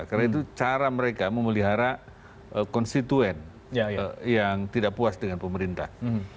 karena itu cara mereka memelihara konstituen yang tidak puas dengan pemerintah